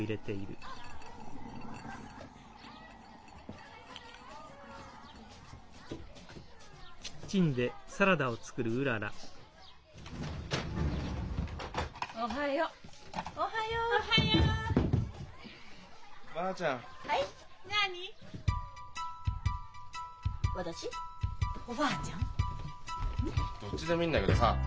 どっちでもいいんだけどさ。